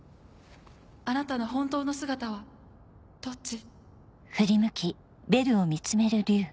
あなたの本当の姿はどっち？